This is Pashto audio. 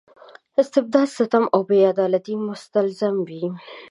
استبداد ستم او بې عدالتۍ مستلزم وي.